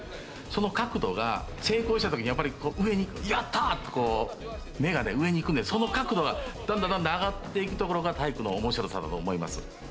その角度が成功した時にやっぱり上に「やった！」ってこう目がね上にいくんでその角度がどんどんどんどん上がっていくところが体育の面白さだと思います。